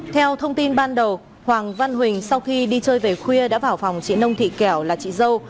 theo thông tin ban đầu hoàng văn huỳnh sau khi đi chơi về khuya đã vào phòng chị nông thị kiểu là chị dâu